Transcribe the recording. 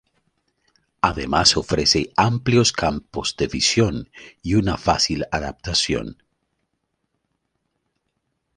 Además ofrece amplios campos de visión y una fácil adaptación.